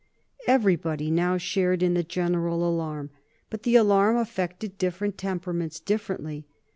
Everybody now shared in the general alarm, but the alarm affected different temperaments differently.